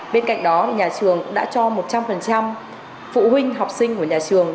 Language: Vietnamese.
bên cạnh đó nhà trường đã cho một trăm linh phụ huynh học sinh của nhà trường